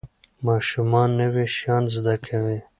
ماشومان نوي شیان زده کوي.